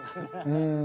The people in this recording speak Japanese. うん。